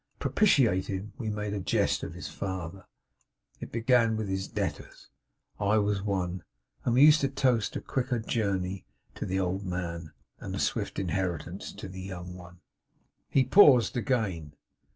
To propitiate him we made a jest of his father; it began with his debtors; I was one; and we used to toast a quicker journey to the old man, and a swift inheritance to the young one.' He paused again.